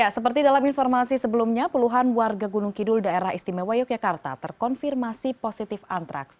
seperti dalam informasi sebelumnya puluhan warga gunung kidul daerah istimewa yogyakarta terkonfirmasi positif antraks